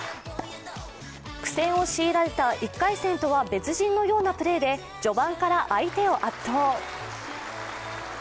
苦戦を強いられた１回戦とは別人のようなプレーで序盤から相手を圧倒。